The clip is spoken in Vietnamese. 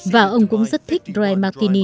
và ông cũng rất thích drem martini năm mươi một